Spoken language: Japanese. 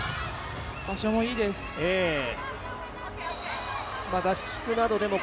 場所もいいです。